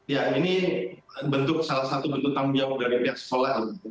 ya ini bentuk salah satu bentuk tanggung jawab dari pihak solar